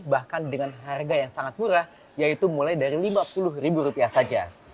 bahkan dengan harga yang sangat murah yaitu mulai dari rp lima puluh saja